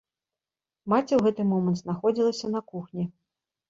Маці ў гэты момант знаходзілася на кухні.